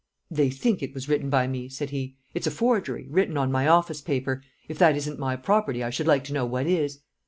"They think it was written by me," said he. "It's a forgery, written on my office paper; if that isn't my property, I should like to know what is?"